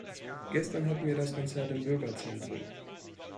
Gestern hatten wir das Konzert im Bürgerzentrum.